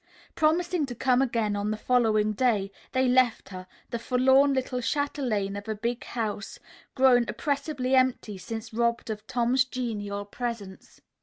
Promising to come again on the following day they left her, the forlorn little chatelaine of a big house, grown oppresively empty since robbed of Tom's genial presence.